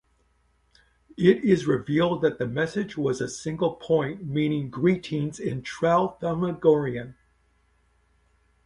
It is revealed that the message was a single point, meaning 'Greetings' in Tralfamadorian.